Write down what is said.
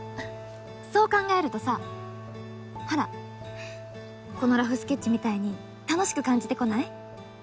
そう考えるとさほらこのラフスケッチみたいに楽しく感じてこない？